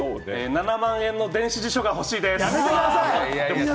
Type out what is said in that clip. ７万円の電子辞書が欲しいです。